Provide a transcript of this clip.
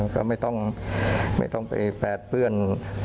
ก็ไม่ต้องไปแปดเปื้อน